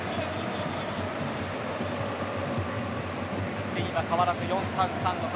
スペインは変わらず４−３−３の形。